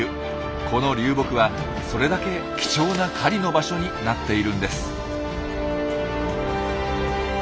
この流木はそれだけ貴重な狩りの場所になっているんです。